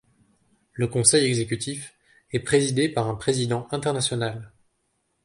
Le Conseil exécutif est présidé par un président international.